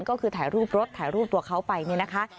ก็คือถ่ายรูปรถถ่ายรูปตัวเขาไปเนี่ยนะคะ